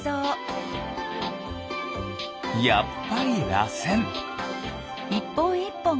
やっぱりらせん。